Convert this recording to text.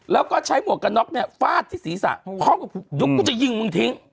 แล้วก็ใช้หมวกกระน็อคเนี่ยฟาดที่ศีรษะเขาก็อยุ่งกูจะยิงมึงทิ้ง